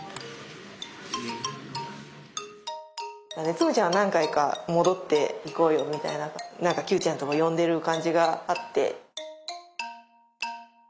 つむちゃんは何回か戻って「行こうよ」みたいな何かキュウちゃんを呼んでる感じがあって。